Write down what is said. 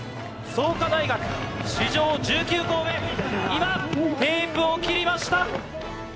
創価大学、史上１９校目、今、テープを切りました！